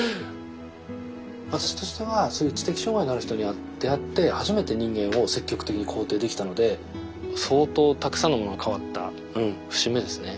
私としてはそういう知的障害のある人に出会って初めて人間を積極的に肯定できたので相当たくさんのものが変わった節目ですね。